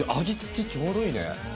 味つけ、ちょうどいいね。